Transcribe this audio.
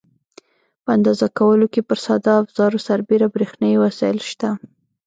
په اندازه کولو کې پر ساده افزارو سربېره برېښنایي وسایل شته.